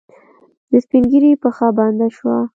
د سپينږيري پښه بنده شوه.